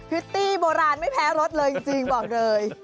ิตตี้โบราณไม่แพ้รถเลยจริงบอกเลย